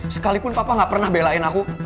sekalipun papa gak pernah belain aku